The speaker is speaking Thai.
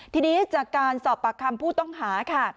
ทีนี้จากการสอบปากคำผู้ต้องหาค่ะ